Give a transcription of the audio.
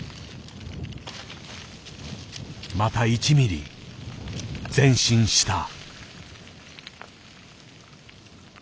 また１ミリ前進した。